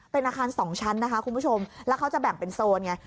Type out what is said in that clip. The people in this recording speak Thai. เป็นอาคาร๒ชั้นนะคะคุณผู้ชมแล้วเขาจะแบ่งเป็นโซนไง